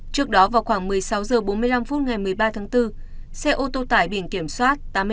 trước đó vào khoảng một mươi sáu h bốn mươi năm ngày một mươi ba tháng bốn xe ô tô tải biển kiểm soát